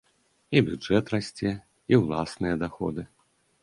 І бюджэт расце, і ўласныя даходы!